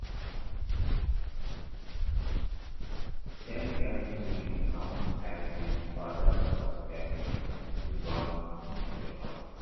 Chen came to be known as the "father of Chinese Sichuan cooking" in Japan.